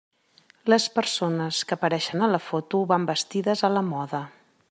Les persones que apareixen a la foto van vestides a la moda.